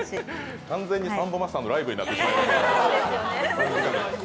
完全にサンボマスターのライブになってる。